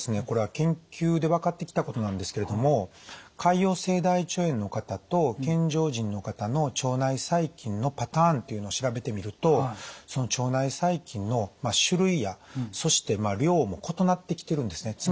これは研究で分かってきたことなんですけれども潰瘍性大腸炎の方と健常人の方の腸内細菌のパターンというのを調べてみるとその腸内細菌の種類やそして量も異なってきてるんですね。